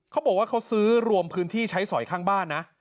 เขาบอกว่าเขาซื้อรวมพื้นที่ใช้สอยข้างบ้านนะ